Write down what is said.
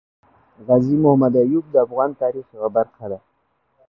غازي محمد ايوب د افغان تاريخ يوه برخه ده